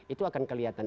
itu akan kelihatan